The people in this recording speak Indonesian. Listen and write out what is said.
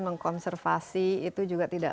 mengkonservasi itu juga tidak